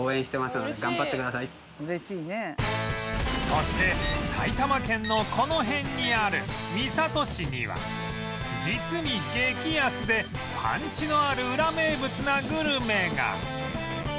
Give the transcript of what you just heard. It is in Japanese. そして埼玉県のこの辺にある三郷市には実に激安でパンチのあるウラ名物なグルメが！